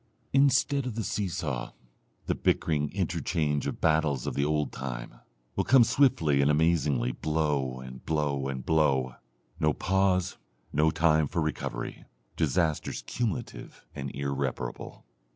Instead of the seesaw, the bickering interchange of battles of the old time, will come swiftly and amazingly blow, and blow, and blow, no pause, no time for recovery, disasters cumulative and irreparable.